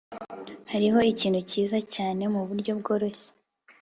Hariho ikintu cyiza cyane muburyo bworoshye